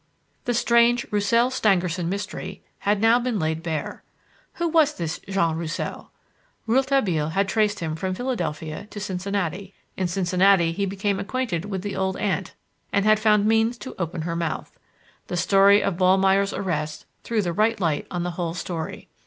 The strange Roussel Stangerson mystery had now been laid bare. Who was this Jean Roussel? Rouletabille had traced him from Philadelphia to Cincinnati. In Cincinnati he became acquainted with the old aunt, and had found means to open her mouth. The story of Ballmeyer's arrest threw the right light on the whole story.